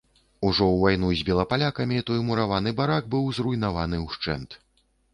Ужо ў вайну з белапалякамі той мураваны барак быў зруйнаваны ўшчэнт.